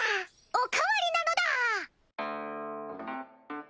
お代わりなのだ！